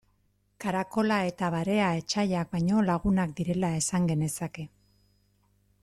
Karakola eta barea etsaiak baino lagunak direla esan genezake.